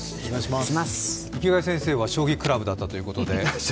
池谷先生は将棋クラブだったということで。